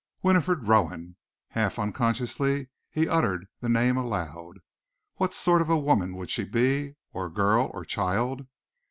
Winifred Rowan! Half unconsciously he uttered the name aloud. What sort of a woman would she be, or girl, or child?